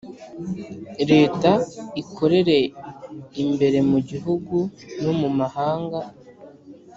Leta ikorera imbere mu Gihugu no mu mahanga